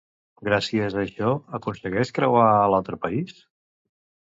Gràcies a això, aconsegueix creuar a l'altre país?